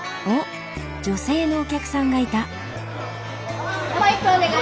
女性のお客さんがいた。